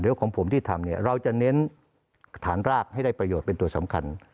เดี๋ยวของผมที่ทำเนี่ยเราจะเน้นฐานรากให้ได้ประโยชน์เป็นตัวสำคัญ